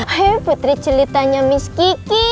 hei putri cili tanya miss kiki